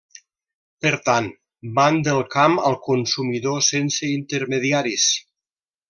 Per tant, van del camp al consumidor sense intermediaris.